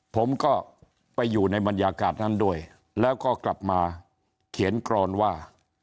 ผมก็ไปอยู่ในบรรยากาศนั้นด้วยแล้วก็กลับมาเขียนกรอนว่า